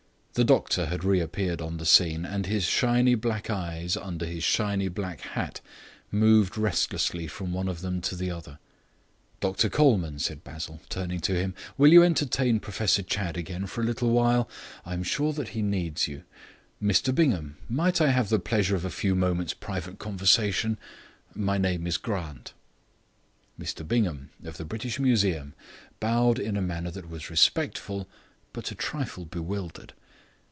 The doctor had reappeared on the scene, and his shiny black eyes, under his shiny black hat, moved restlessly from one of them to the other. "Dr Colman," said Basil, turning to him, "will you entertain Professor Chadd again for a little while? I am sure that he needs you. Mr Bingham, might I have the pleasure of a few moments' private conversation? My name is Grant." Mr Bingham, of the British Museum, bowed in a manner that was respectful but a trifle bewildered.